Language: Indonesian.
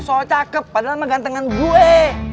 sok cakep padahal mah gantengan gue